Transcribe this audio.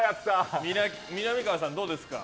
みなみかわさんどうですか？